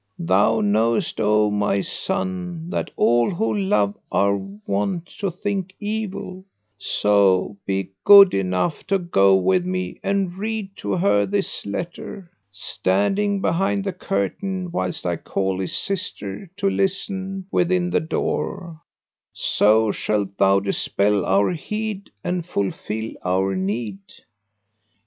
Thou knowest, O my son, that all who love are wont to think evil: so be good enough to go with me and read to her this letter, standing behind the curtain, whilst I call his sister to listen within the door, so shalt thou dispel our heed and fulfil our need.